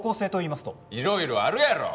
いろいろあるやろ！